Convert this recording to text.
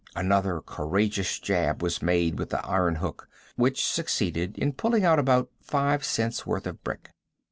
Another courageous jab was made with the iron hook, which succeeded in pulling out about 5 cents worth of brick.